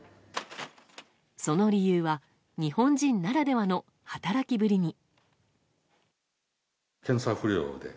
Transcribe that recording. その理由は日本人ならではの働きぶりに。